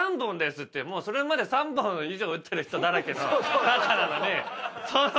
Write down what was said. それまで３本以上打ってる人だらけの中なのにその。